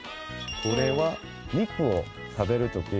これは肉を食べる時。